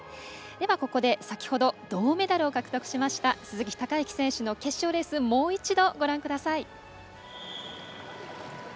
ここで先ほど銅メダルを獲得しました鈴木孝幸選手の決勝レースもう一度ご覧ください。